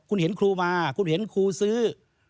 คุณเห็นครูมาคุณเห็นครูซื้อ